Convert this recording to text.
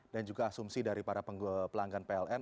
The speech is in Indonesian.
dan juga asumsi dari para pelanggan pln